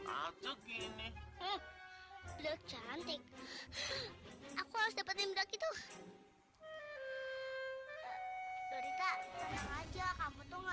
makanya jangan ribut begitu